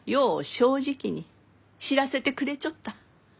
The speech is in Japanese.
正直に知らせてくれちょった。